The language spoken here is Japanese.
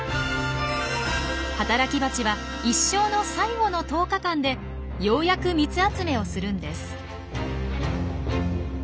働きバチは一生の最後の１０日間でようやく蜜集めをするんです。